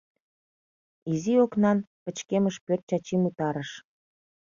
Изи окнан пычкемыш пӧрт Чачим утарыш.